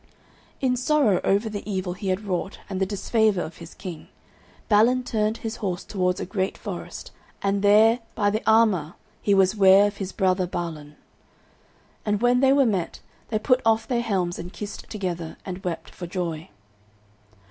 In sorrow over the evil he had wrought and the disfavour of his king, Balin turned his horse towards a great forest, and there by the armour he was ware of his brother Balan. And when they were met, they put off their helms and kissed together, and wept for joy.